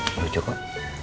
enggak lucu kok